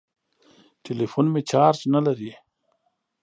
ټليفون مې چارچ نه لري.